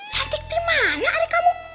cantik di mana ada kamu